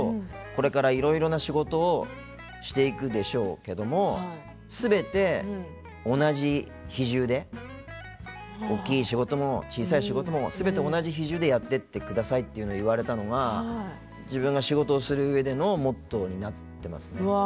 「これからいろいろな仕事をしていくでしょうけどすべて、同じ比重で大きい仕事も小さい仕事もすべて同じ比重でやっていってください」っていうのを言われたのが自分が仕事をするうえでのモットーになっています。